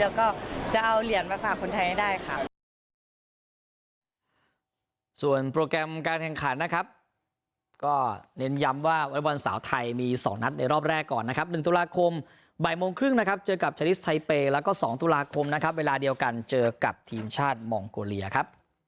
แล้วก็จะเอาเหรียญมาฝากคนไทยให้ได้ค่ะ